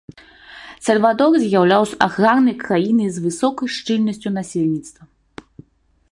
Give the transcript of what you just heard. Сальвадор з'яўляўся аграрнай краінай з высокай шчыльнасцю насельніцтва.